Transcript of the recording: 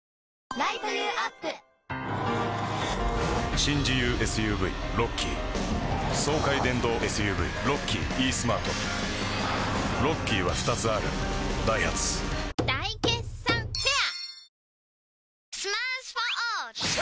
新自由ＳＵＶロッキー爽快電動ＳＵＶロッキーイースマートロッキーは２つあるダイハツ大決算フェア